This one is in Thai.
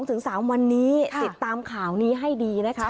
ถึง๓วันนี้ติดตามข่าวนี้ให้ดีนะคะ